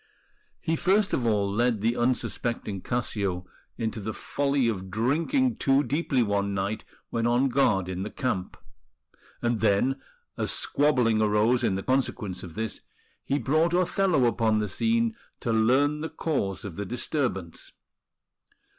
He first of all led the unsuspecting Cassio into the folly of drinking too deeply one night when on guard in the camp; and then, as squabbling arose in consequence of this, he brought Othello upon the scene to learn the cause of the disturbance.